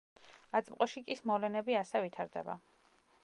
აწმყოში კი მოვლენები ასე ვითარდება.